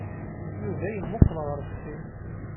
Yuba yemmuqqel ɣer deffir.